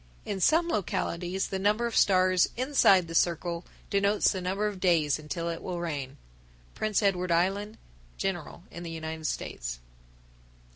In some localities the number of stars inside the circle denotes the number of days until it will rain. _Prince Edward Island; general in the United States.